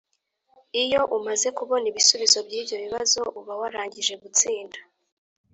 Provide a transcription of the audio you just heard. Iyo umaze kubona ibisubizo by’ibyo bibazo uba warangije gutsinda